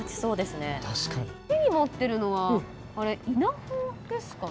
手に持っているのは稲穂ですか？